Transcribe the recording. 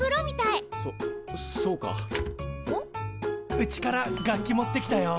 うちから楽器持ってきたよ。